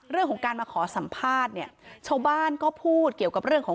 เรื่องของการมาขอสัมภาษณ์เนี่ยชาวบ้านก็พูดเกี่ยวกับเรื่องของ